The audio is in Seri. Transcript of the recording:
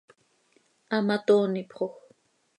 Hamatoonipxoj.